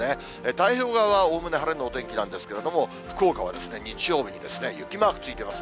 太平洋側はおおむね晴れのお天気なんですけれども、福岡は日曜日に雪マークついてます。